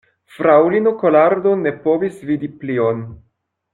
Fraŭlino Kolardo ne povis vidi plion.